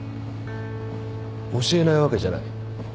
教えないわけじゃない。